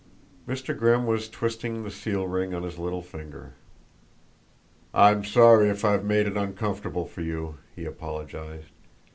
Mr. Grimm was twisting the seal ring on his little finger. "I'm sorry if I've made it uncomfortable for you," he apologized.